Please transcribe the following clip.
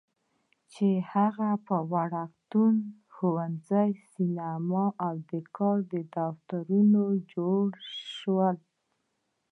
چې په هغې کې وړکتون، ښوونځی، سینما او د کار دفترونه جوړ شول.